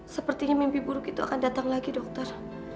sepertinya mimpi buruk itu akan datang lagi dokter